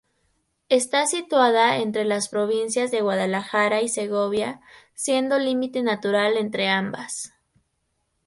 Está situada entre las provincias de Guadalajara y Segovia, siendo límite natural entre ambas.